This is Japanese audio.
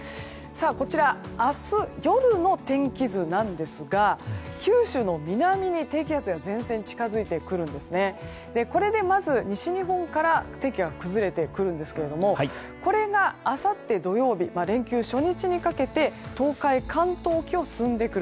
こちら、明日夜の天気図なんですが九州の南に低気圧や前線が近づいてきていてこれでまず、西日本から天気が崩れてくるんですがこれが、あさって土曜日連休初日にかけて東海、関東沖を進んでくる。